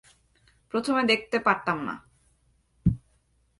প্রথমে দেখতে পারতাম না।